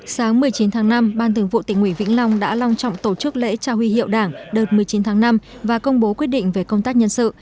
sáng một mươi chín tháng năm ban thường vụ tỉnh ủy vĩnh long đã long trọng tổ chức lễ trao huy hiệu đảng đợt một mươi chín tháng năm và công bố quyết định về công tác nhân sự